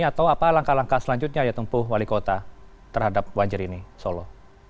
atau apa langkah langkah selanjutnya yang tempuh wali kota terhadap banjir ini solo